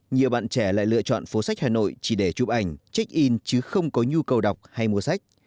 nhiều bạn trẻ lại lựa chọn phố sách hà nội chỉ để chụp ảnh check in chứ không có nhu cầu đọc hay mua sách